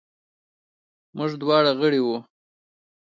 موږ دواړه غړي وو.